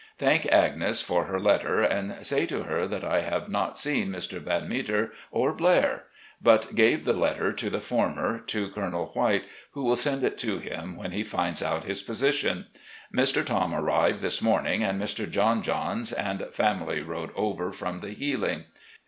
Thank Agnes for her let ter and say to her that I have not seen Mr. Vanmeter or Blair, but gave the letter to the former to Colonel White, who will send it to him when he finds out his position. Mr. Thom arrived this morning and Mr. John Johns and family rode over from the Healing.